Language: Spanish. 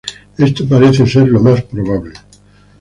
Esto parece ser lo más probable.